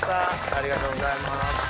ありがとうございます。